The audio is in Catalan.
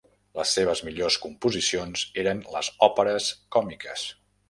Les seves millors composicions eren les òperes còmiques.